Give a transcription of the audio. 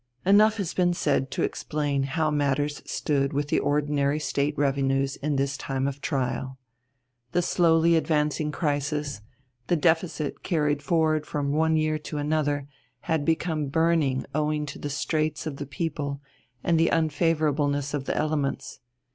Enough has been said to explain how matters stood with the ordinary State revenues in this time of trial. The slowly advancing crisis, the deficit carried forward from one year to another, had become burning owing to the straits of the people and the unfavourableness of the elements.